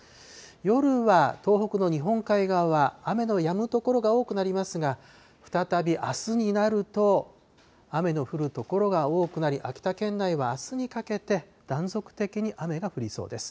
夜は東北の日本海側は雨のやむ所が多くなりますが、再びあすになると、雨の降る所が多くなり、秋田県内はあすにかけて断続的に雨が降りそうです。